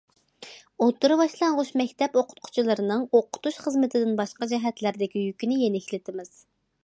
ئوتتۇرا- باشلانغۇچ مەكتەپ ئوقۇتقۇچىلىرىنىڭ ئوقۇتۇش خىزمىتىدىن باشقا جەھەتلەردىكى يۈكىنى يېنىكلىتىمىز.